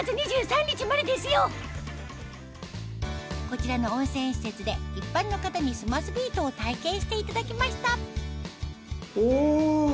こちらの温泉施設で一般の方にスマスビートを体験していただきましたお！